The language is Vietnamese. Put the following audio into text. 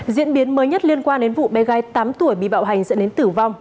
diễn biến mới nhất liên quan đến vụ bé gái tám tuổi bị bạo hành dẫn đến tử vong